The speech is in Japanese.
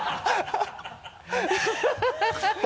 ハハハ